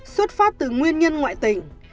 xuất phát từ nguyên nhân ngoại tình